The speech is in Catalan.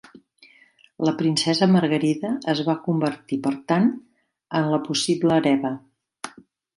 La princesa Margarida es va convertir, per tant, en la possible hereva.